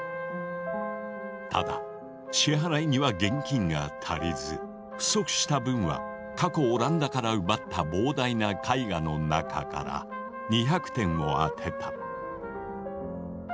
ただ支払いには現金が足りず不足した分は過去オランダから奪った膨大な絵画の中から２００点を充てた。